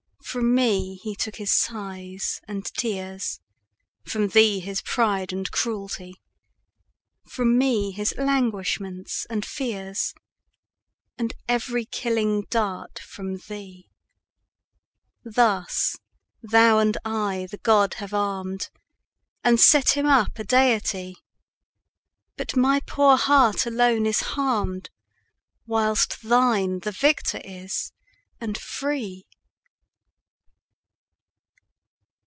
From me he took his sighs and tears, From thee his pride and cruelty; 10 From me his languishments and fears, And every killing dart from thee. Thus thou and I the god have arm'd And set him up a deity; But my poor heart alone is harm'd, 15 Whilst thine the victor is, and free!